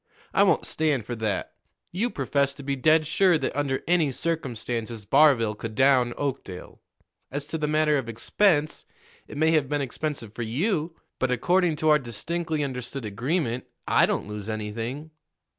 I won't stand for that. You professed to be dead sure that under any circumstances Barville could down Oakdale. As to the matter of expense, it may have been expensive for you', but, according to our distinctly understood agreement, I don't lose anything."